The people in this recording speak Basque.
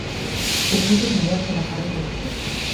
Urritik maiatzera jarriko dute.